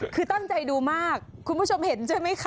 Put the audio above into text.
คือตั้งใจดูมากคุณผู้ชมเห็นใช่ไหมคะ